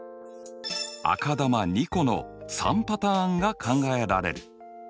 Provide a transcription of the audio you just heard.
赤球２個の３パターンが考えられる。